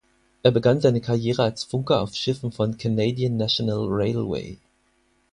Er begann seine Karriere als Funker auf Schiffen von Canadian National Railway.